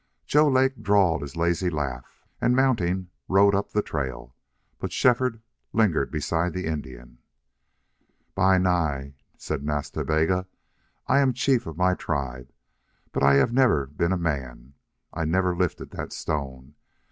Joe Lake drawled his lazy laugh and, mounting, rode up the trail. But Shefford lingered beside the Indian. "Bi Nai," said Nas Ta Bega, "I am a chief of my tribe, but I have never been a man. I never lifted that stone.